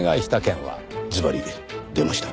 ずばり出ました。